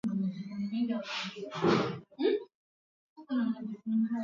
sana kuitumia lugha ya Kiswahili katika mahubiri